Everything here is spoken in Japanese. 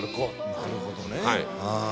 なるほどね。